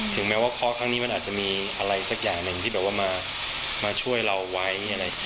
ถึงแม้ว่าเคราะห์ข้างนี้มันอาจจะมีอะไรสักอย่างหนึ่งที่แบบว่ามาช่วยเราไว้เนี่ยนะ